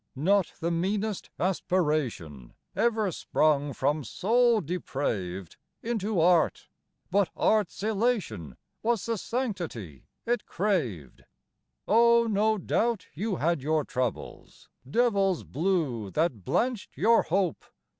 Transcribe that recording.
Not the meanest aspiration Ever sprung from soul depraved Into art, but art's elation Was the sanctity it craved. Oh, no doubt you had your troubles, Devils blue that blanched your hope.